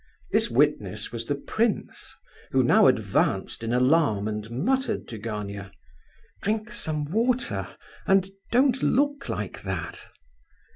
This witness was the prince, who now advanced in alarm and muttered to Gania: "Drink some water, and don't look like that!"